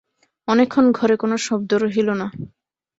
অনেকক্ষণ ঘরে কোনো শব্দ রহিল না।